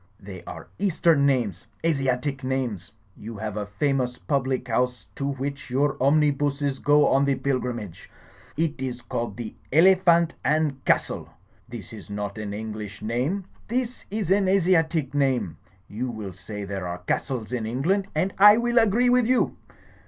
They are eastern names, Asiatic names. You have a famous public house to which your omnibuses go on the pilgrimage. It is called the Elephant and Castle. That is not an English name. It is an Asiatic name. You will say there are castles in England, and I will agree with you.